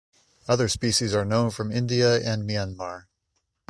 Other species are known from India and Myanmar.